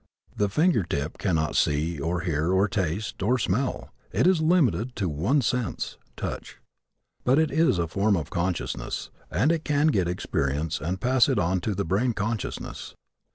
The finger tip cannot see of hear or taste or smell. It is limited to one sense touch. But it is a form of consciousness, and it can get experience and pass it on to the brain consciousness.